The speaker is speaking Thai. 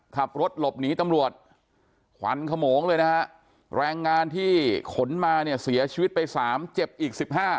ขับรถหลบหนีตำรวจขวัญขมร้องเลยแรงงานที่ขนมาเสียชีวิตไป๓เจ็บอีก๑๕